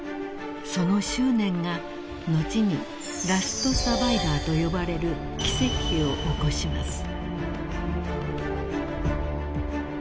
［その執念が後にラストサバイバーと呼ばれる奇跡を起こします］